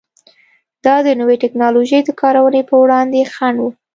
دا د نوې ټکنالوژۍ د کارونې پر وړاندې خنډ و.